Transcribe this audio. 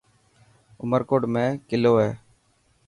عمرڪوٽ ۾ ڪلو هي.